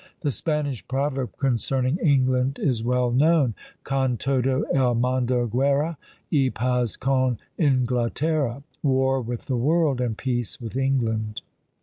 The Spanish proverb concerning England is well known Con todo el mondo guerra, Y paz con Inglaterra! War with the world, And peace with England!